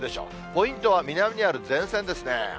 ポイントは、南にある前線ですね。